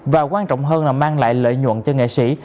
và quan trọng hơn là mang lại lợi nhuận cho nghệ sĩ